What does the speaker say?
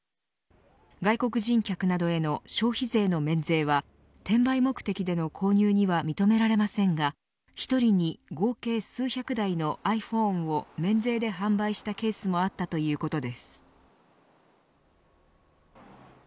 外国人客などへの消費税の免税は転売目的での購入には認められませんが一人に合計数百台のｉＰｈｏｎｅを免税で販売したケースもあったということです。